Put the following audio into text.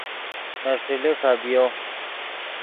نے ݰیلے خبیو